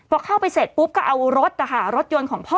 พอเข้าไปเสร็จปุ๊บก็เอารถนะคะรถยนต์ของพ่อ